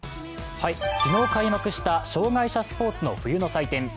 昨日開幕した障がい者スポーツの冬の祭典